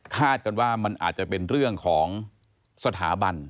กันว่ามันอาจจะเป็นเรื่องของสถาบัน